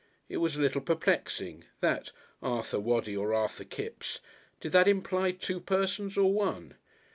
It was a little perplexing. That "Arthur Waddy or Arthur Kipps" did that imply two persons or one?